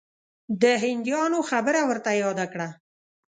د هندیانو خبره ورته یاده کړه.